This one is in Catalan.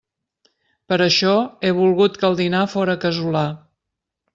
Per això he volgut que el dinar fóra casolà.